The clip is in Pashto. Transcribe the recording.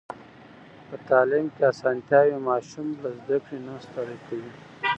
په تعلیم کې اسانتيا وي، ماشوم له زده کړې نه ستړی کوي.